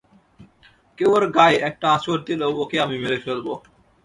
কেউ ওর গায়ে একটা আঁচড় দিলেও ওকে আমি মেরে ফেলব!